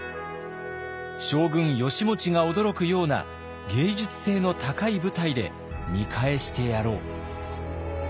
将軍義持が驚くような芸術性の高い舞台で見返してやろう。